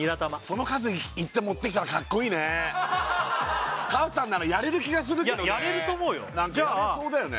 その数言って持ってきたらかっこいいねかおたんならやれる気がするけどねやれると思うよなんかやれそうだよね